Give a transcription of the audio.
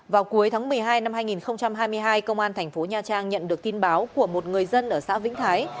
vào cuối tháng một mươi hai năm hai nghìn hai mươi hai công an thành phố nha trang nhận được tin báo của một người dân ở xã vĩnh thái